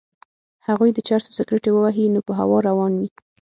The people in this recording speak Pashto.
هغوی د چرسو سګرټی ووهي نو په هوا روان وي.